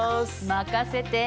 任せて！